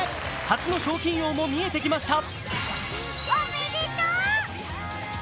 初の賞金王も見えてきました。